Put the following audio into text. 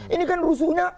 ini kan rusuhnya